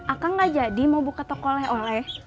akang gak jadi mau buka toko le ole